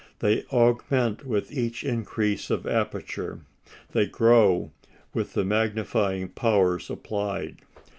They augment with each increase of aperture; they grow with the magnifying powers applied.